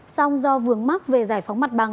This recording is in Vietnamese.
xong do vướng mắc về giải phóng mặt bằng